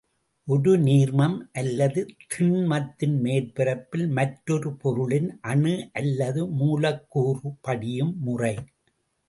ஒரு நீர்மம் அல்லது திண்மத்தின் மேற்பரப்பில் மற்றொரு பொருளின் அணு அல்லது மூலக்கூறு படியும் முறை.